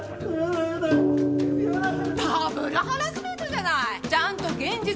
ダブルハラスメントじゃない！